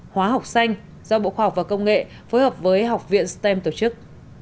hóa học xanh do bộ khoa học và công nghệ phối hợp với học viện stem tổ chức